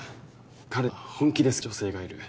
彼には本気で好きな女性がいる。